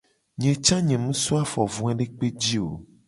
Nye ca nye mu so afo voedekpe ji o.